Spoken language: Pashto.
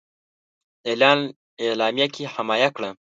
اعلامیه کې حمایه کړه.